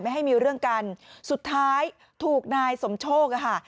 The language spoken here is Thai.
ให้มีเรื่องกันสุดท้ายถูกนายสมโชคอ่ะค่ะ